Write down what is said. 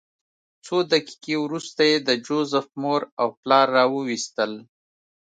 څو دقیقې وروسته یې د جوزف مور او پلار راوویستل